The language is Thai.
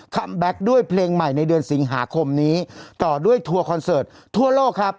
แบ็คด้วยเพลงใหม่ในเดือนสิงหาคมนี้ต่อด้วยทัวร์คอนเสิร์ตทั่วโลกครับ